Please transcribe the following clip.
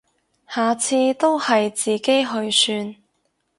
下次都係自己去算